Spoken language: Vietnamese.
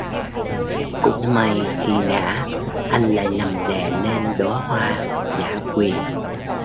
Cũng may Khi ngã anh lại nằm đè lên đóa hoa dã quỳ